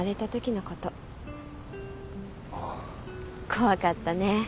怖かったね